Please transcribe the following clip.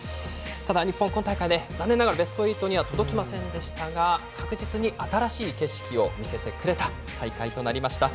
日本、今大会で残念ながらベスト８には届きませんでしたが確実に新しい景色を見せてくれた大会となりました。